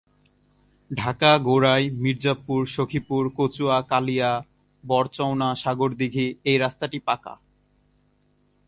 ঢাকা-গোরাই, মির্জাপুর-সখিপুর-কচুয়া-কালিয়া-বড়চওনা-সাগরদিঘী; এই রাস্তাটি পাকা।